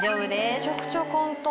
めちゃくちゃ簡単。